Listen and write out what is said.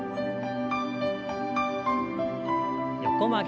横曲げ。